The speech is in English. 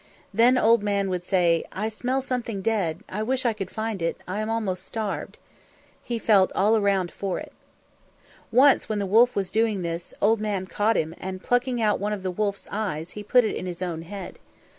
Then Old Man would say, "I smell something dead, I wish I could find it; I am almost starved." He felt all around for it. Once when the wolf was doing this, Old Man caught him, and plucking out one of the wolf's eyes, he put it in his own head.